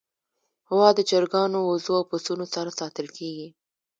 غوا د چرګانو، وزو، او پسونو سره ساتل کېږي.